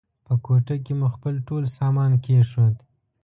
په کوټه کې مو خپل ټول سامان کېښود.